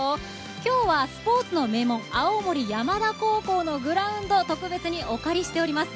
今日はスポーツの名門、青森山田高校のグラウンドを特別にお借りしております。